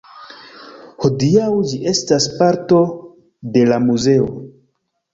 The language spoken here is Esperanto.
Hodiaŭ ĝi estas parto de la muzeo.